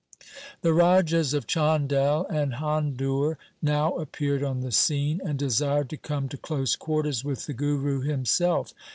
The Rajas of Chandel and Handur now appeared on the scene, and desired to come to close quarters with the Guru himself.